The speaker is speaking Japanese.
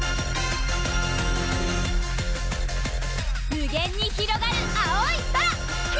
無限にひろがる青い空！